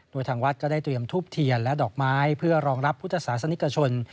โดยทางวัดก็ได้เตรียมทูบเทียนและดอกไม้เพื่อรองรับพุทธศาสนิกชน